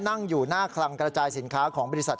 นั่งอยู่หน้าคลังกระจายสินค้าของบริษัท